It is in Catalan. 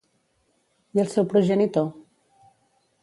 I el seu progenitor?